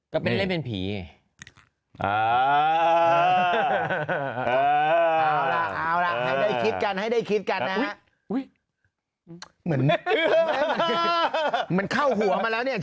ก็เป็นเล่นเป็นผีอ่าให้ได้คิดกันนะมันเข้าหัวมาแล้วเราอยาก